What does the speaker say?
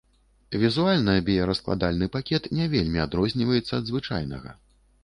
Візуальна біяраскладальны пакет не вельмі адрозніваецца ад звычайнага.